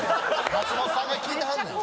松本さんが聞いてはるねん。